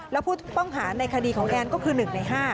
แล้วผู้ต้องหาในคดีของแอนก็คือ๑ใน๕